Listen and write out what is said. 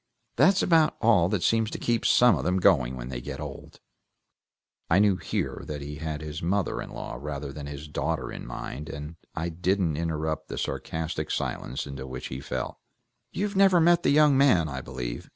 That's about all that seems to keep some of them going when they get old." I knew that here he had his mother in law rather than his daughter in mind, and I didn't interrupt the sarcastic silence into which he fell. "You've never met the young man, I believe?"